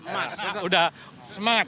mas udah semangat